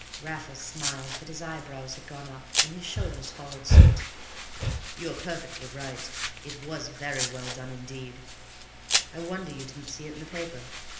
Raffles smiled, but his eyebrows had gone up, and his shoulders followed suit. "You are perfectly right; it was very well done indeed. I wonder you didn't see it in the paper.